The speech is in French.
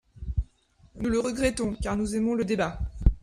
Nous le regrettons, car nous aimons le débat.